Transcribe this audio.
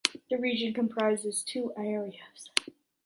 The region comprises two areas.